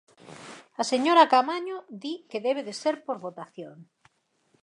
A señora Caamaño di que debe de ser por votación.